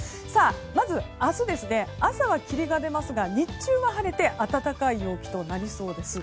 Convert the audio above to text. まず、明日ですが朝は霧が出ますが日中は晴れて暖かい陽気となりそうです。